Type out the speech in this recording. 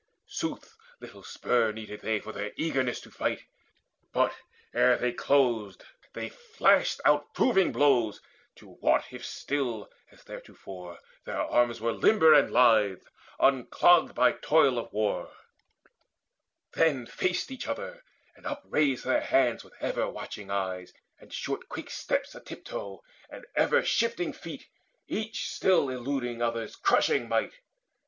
Sooth, little spur Needed they for their eagerness for fight. But, ere they closed, they flashed out proving blows To wot if still, as theretofore, their arms Were limber and lithe, unclogged by toil of war; Then faced each other, and upraised their hands With ever watching eyes, and short quick steps A tiptoe, and with ever shifting feet, Each still eluding other's crushing might.